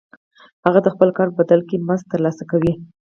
هغه د خپل کار په بدل کې مزد ترلاسه کوي